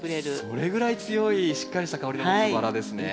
それぐらい強いしっかりした香りを持つバラですね。